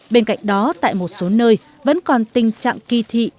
bên cạnh đó tại một số nơi vẫn còn tình trạng kỳ thị